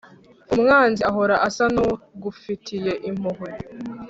umwanzi ahora asa n'ugufitiye impuhwe